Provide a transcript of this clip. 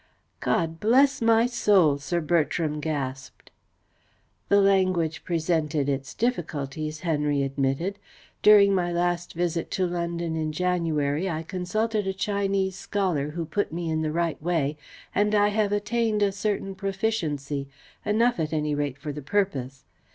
"God bless my soul!" Sir Bertram gasped. "The language presented its difficulties," Henry admitted. "During my last visit to London in January I consulted a Chinese scholar who put me in the right way, and I have attained to a certain proficiency enough, at any rate, for the purpose.